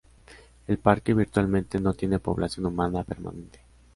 El parque virtualmente no tiene población humana permanente.